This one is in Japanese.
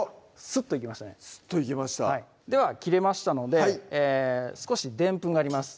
すっといきましねすっといきましたでは切れましたので少しでんぷんがあります